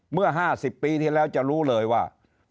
เมื่อ๕๐ปีที่แล้วจะรู้เลยว่า